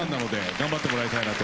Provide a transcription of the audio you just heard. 頑張ってもらいたいなと。